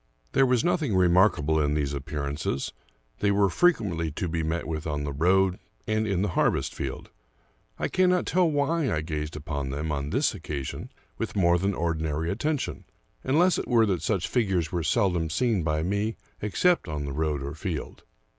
There was nothing remarkable in these appearances : they were frequently to be met with on the road and in the harvest field. I cannot tell why I gazed upon them, on this occasion, with more than ordinary attention, unless it 223 American Mystery Stories were that such figures were seldom seen by me except on the road or field.